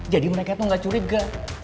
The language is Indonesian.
mereka tuh gak curiga